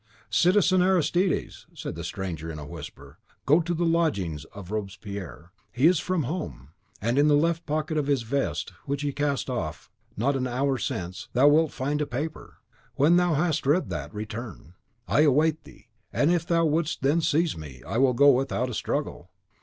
"Citizen Aristides," answered the stranger, in a whisper, "go to the lodgings of Robespierre, he is from home; and in the left pocket of the vest which he cast off not an hour since thou wilt find a paper; when thou hast read that, return. I will await thee; and if thou wouldst then seize me, I will go without a struggle.